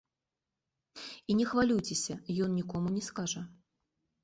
І не хвалюйцеся, ён нікому не скажа.